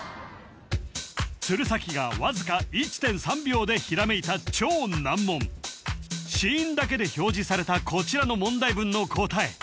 鶴崎がわずか１．３秒でひらめいた超難問子音だけで表示されたこちらの問題文の答え